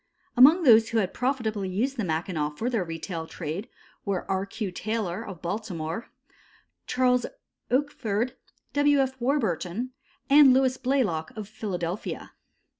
Among those who had used profitably the Mackinaw for their retail trade were R. Q. Taylor, of Baltimore, Charles Oakford, W. F. Warburton and Louis Blaylock, of Philadelphia.